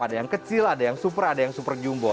ada yang kecil ada yang super ada yang super jumbo